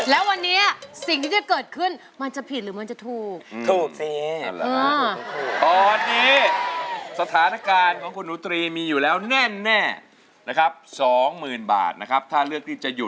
เล่นนี้ไม่มั่นใจถึงเวลาหรือยัง